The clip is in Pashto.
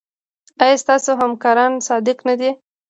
ایا ستاسو همکاران صادق نه دي؟